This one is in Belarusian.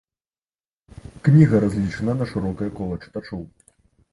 Кніга разлічана на шырокае кола чытачоў.